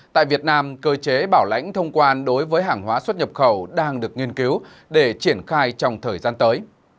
tại việt nam cơ chế bảo lãnh thông quan đối với hàng hóa xuất nhập khẩu đang được nghiên cứu để triển khai trong thời gian tới